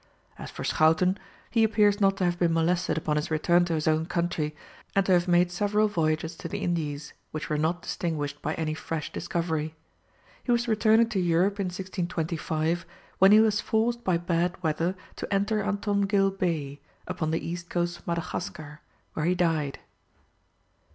As for Schouten, he appears not to have been molested upon his return to his own country, and to have made several voyages to the Indies, which were not distinguished by any fresh discovery. He was returning to Europe in 1625, when he was forced by bad weather to enter Antongil Bay, upon the east coast of Madagascar, where he died.